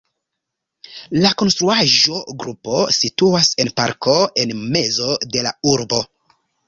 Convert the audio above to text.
La konstruaĵo-grupo situas en parko en mezo de la urbo.